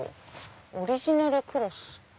「オリジナルクロス」。